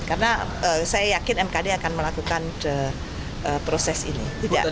karena saya yakin mkd akan melakukan proses ini